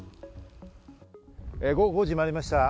午後５時を回りました。